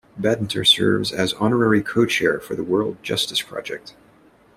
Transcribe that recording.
Badinter serves as an Honorary Co-Chair for the World Justice Project.